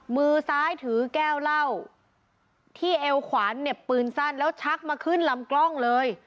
มือซ้ายถือแก้วเหล้าที่เอวขวานเห็บปืนสั้นแล้วชักมาขึ้นลำกล้องเลย